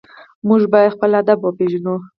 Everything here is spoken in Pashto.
موږ باید خپل ادب وپېژنو.